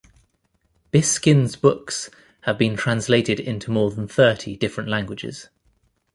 Biskind's books have been translated into more than thirty different languages.